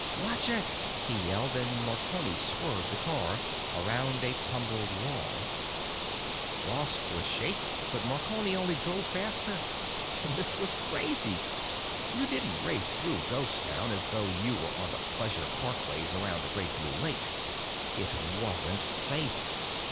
"Watch it!" he yelled, and Marconi swerved the car around a tumbled wall. Ross was shaking, but Marconi only drove faster. This was crazy! You didn't race through Ghost Town as though you were on the pleasure parkways around the Great Blue Lake; it wasn't safe.